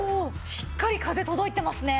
しっかり風届いてますね。